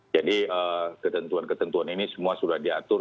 jadi ketentuan ketentuan ini semua sudah diatur